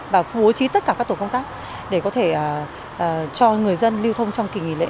và bố trí tất cả các tổ công tác để có thể cho người dân lưu thông trong kỳ nghỉ lễ